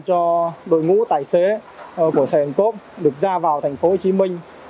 cho đội ngũ tài xế của sài gòn co op được ra vào thành phố hồ chí minh